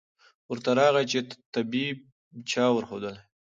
ورته راغی چي طبیب چا ورښودلی